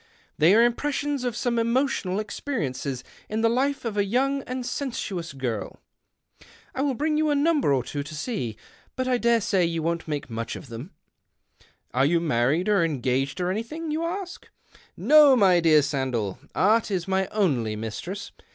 They are impressions of some emotional experiences in the life of a young and sensuous girl. I will bring you a number or two to see, but I dare say you won't make much of them. ' Are you married, or engaged, or anything ?' you ask. No, my dear Sandell. Art is my only mistress.